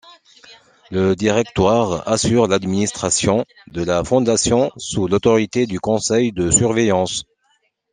Le directoire assure l’administration de la fondation sous l'autorité du conseil de surveillance.